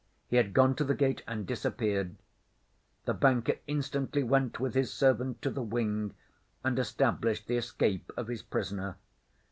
He had gone to the gate and disappeared. The banker instantly went with his servants to the wing and established the escape of his prisoner.